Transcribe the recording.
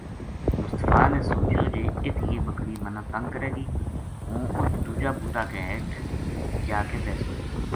مصطفی نے سوچیو جے اِت یہ بکری مَنا تنگ کرے گی ہوں اُت دُوجا بُوٹا کے ہیٹھ جا کے بیسوں